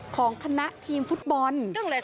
ของคณะทีมฟุตบอล